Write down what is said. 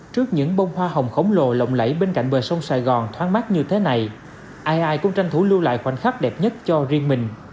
trước những bông hoa hồng khổng lồ lộng lẫy bên cạnh bờ sông sài gòn thoáng mát như thế này ai ai cũng tranh thủ lưu lại khoảnh khắc đẹp nhất cho riêng mình